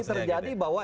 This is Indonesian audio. ini terjadi bahwa